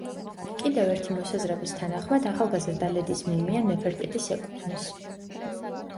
კიდევ ერთი მოსაზრების თანახმად, ახალგაზრდა ლედის მუმია ნეფერტიტის ეკუთვნის.